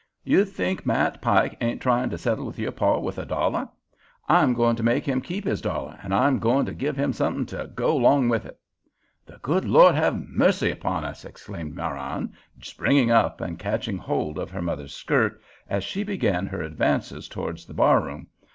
"You think Matt Pike ain't tryin' to settle with your pa with a dollar? I'm goin' to make him keep his dollar, an' I'm goin' to give him somethin' to go 'long with it." "The good Lord have mercy upon us!" exclaimed Marann, springing up and catching hold of her mother's skirts, as she began her advance towards the bar room.